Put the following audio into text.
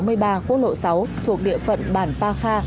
thuộc địa phận bản ba kha